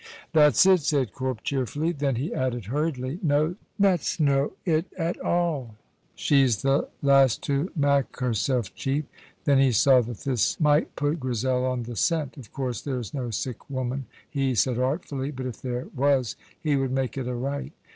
"That's it," said Corp, cheerfully. Then he added hurriedly, "No, that's no it ava. She's the last to mak' hersel' cheap." Then he saw that this might put Grizel on the scent. "Of course there's no sic woman," he said artfully, "but if there was, he would mak' it a' right.